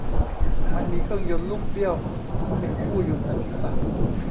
มันมีเครื่องยนต์ลูกเบี้ยวเป็นคู่อยู่เหนือศรีษะ